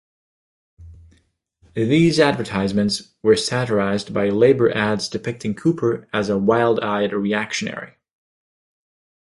These advertisements were satirised by Labor ads depicting Cooper as a wild-eyed reactionary.